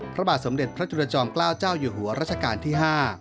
พระบาทสมเด็จพระจุรจอมเกล้าเจ้าอยู่หัวรัชกาลที่๕